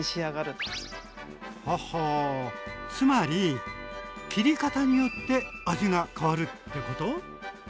つまり切り方によって味が変わるってこと？